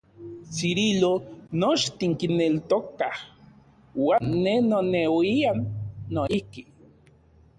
Cirilo, nochtin kineltokaj, uan ne noneuian noijki.